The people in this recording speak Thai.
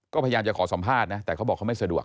ก็พยายามจะขอสัมภาษณ์นะแต่เขาบอกเขาไม่สะดวก